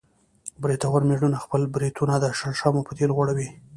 برېتور مېړونه خپل برېتونه د شړشمو په تېل غوړوي.